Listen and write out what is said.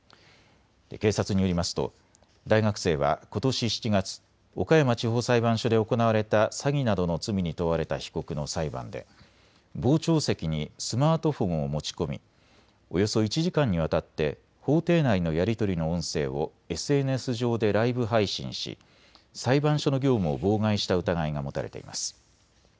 警察によりますと大学生はことし７月、岡山地方裁判所で行われた詐欺などの罪に問われた被告の裁判で傍聴席にスマートフォンを持ち込みおよそ１時間にわたって法廷内のやり取りの音声をＳＮＳ上でライブ配信し、裁判所の業務を妨害した疑いが持たれています。